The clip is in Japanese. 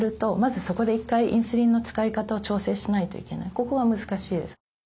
でもここが難しいです。